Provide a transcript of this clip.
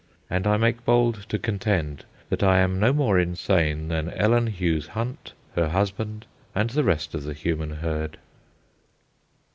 And I make bold to contend that I am no more insane than Ellen Hughes Hunt, her husband, and the rest of the human herd.